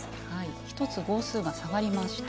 １つ号数が下がりました。